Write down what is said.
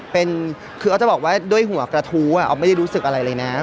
เป็นคือออฟจะบอกว่าด้วยหัวกระทู้ออฟไม่ได้รู้สึกอะไรเลยนะ